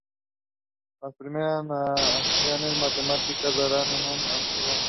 Las primeras nociones matemáticas datan de muy antiguo.